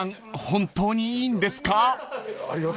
本当にいいんですか？］